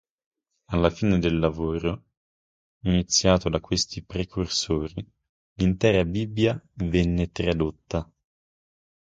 Alla fine del lavoro iniziato da questi precursori, l'intera Bibbia venne tradotta.